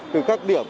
từ các điểm